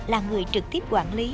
là người trực tiếp quản lý